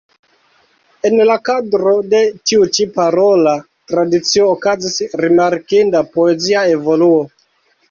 En la kadro de tiu ĉi parola tradicio okazis rimarkinda poezia evoluo.